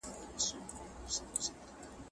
د قسم پريښوول شريعت منع کړيي دي.